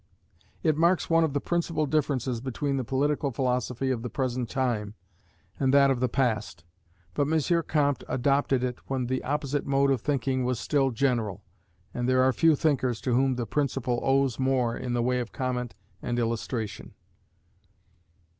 It marks one of the principal differences between the political philosophy of the present time and that of the past; but M. Comte adopted it when the opposite mode of thinking was still general, and there are few thinkers to whom the principle owes more in the way of comment and illustration.